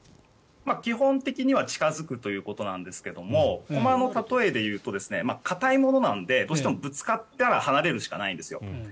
基本的には近付くということですがコマの例えで言うと硬いものなのでどうしてもぶつかったら離れるしかないんです。